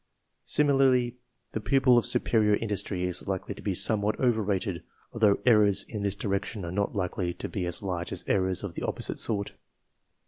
Similarly, the pupil of superior industry is likely to be somewhat over rated, although errors in this direction are not likely to be as large as errors of the opposite sort.